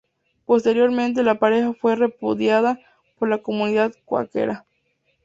Posteriormente, la pareja fue repudiada por la comunidad cuáquera.